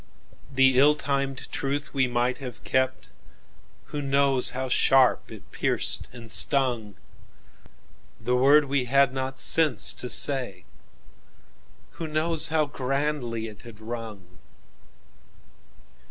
"The ill timed truth we might have kept—Who knows how sharp it pierced and stung? The word we had not sense to say—Who knows how grandly it had rung?